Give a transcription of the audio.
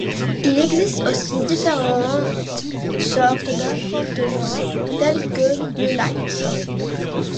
Il existe aussi différentes sortes d'affrontements tel que le light.